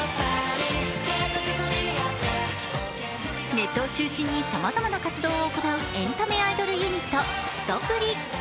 ネットを中心にさまざまな活動を行うエンタメアイドルユニット、すとぷり。